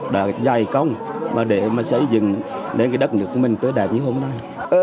đã dày công và để mà xây dựng đến cái đất nước của mình tới đẹp như hôm nay